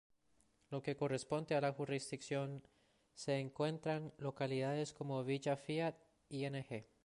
En lo que corresponde a la jurisdicción se encuentran localidades como Villa Fiat, Ing.